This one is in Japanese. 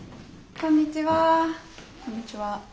こんにちは。